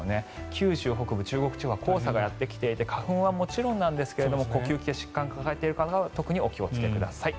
九州北部、中国地方は黄砂がやってきていて花粉はもちろんなんですが呼吸器系の疾患を抱えている方は特にお気をつけください。